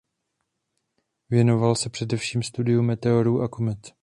Věnoval se především studiu meteorů a komet.